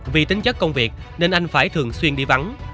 vì tính chất công việc nên anh phải thường xuyên đi vắng